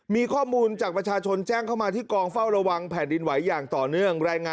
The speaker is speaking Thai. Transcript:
มีข้อมูลจากประชาชนแจ้งเข้ามาที่กองเฝ้าระวังแผ่นดินไหวอย่างต่อเนื่องรายงาน